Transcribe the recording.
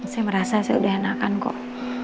saya merasa saya udah enakan kok